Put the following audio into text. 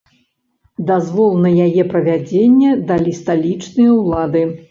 Дазвол на яе правядзенне далі сталічныя ўлады.